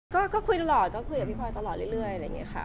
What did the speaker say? ก็คุยตลอดก็คุยกับพี่พลอยตลอดเรื่อยอะไรอย่างนี้ค่ะ